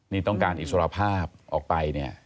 นี่ต้องการอิสระภาพออกไป